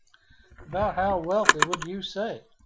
About how wealthy would you say?